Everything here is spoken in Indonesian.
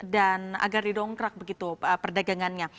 dan agar didongkrak begitu perdagangannya